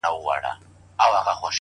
پوهه د تیروتنو شمېر راکموي،